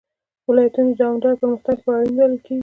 ولایتونه د دوامداره پرمختګ لپاره اړین بلل کېږي.